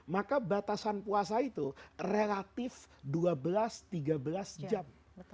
maka batasan puasa itu relatif dua belas tiga belas jam